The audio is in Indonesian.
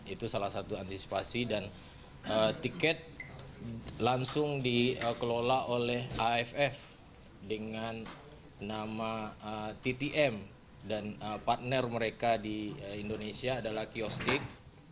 itu salah satu antisipasi dan tiket langsung dikelola oleh aff dengan nama ttm dan partner mereka di indonesia adalah kiostik